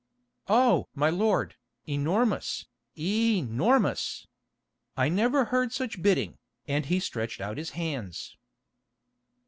"Oh! my lord, enormous, ee—normous. I never heard such bidding," and he stretched out his hands.